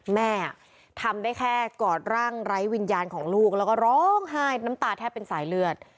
แม่ทำได้แค่กอดร่างไร้วิญญาณของลูกแล้วก็ร้องไห้น้ำตาแทบเป็นสายเลือด